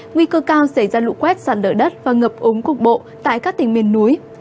nguy cơ cao xảy ra lụ quét sẵn đỡ đất và ngập ống cục bộ tại các tỉnh miền núi